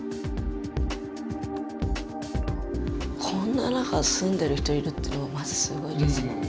こんな中住んでる人いるっていうのはマジすごいですよね。